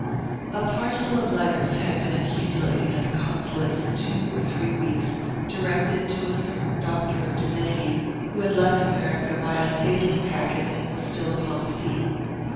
A parcel of letters had been accumulating at the Consulate for two or three weeks, directed to a certain Doctor of Divinity, who had left America by a sailing packet and was still upon the sea.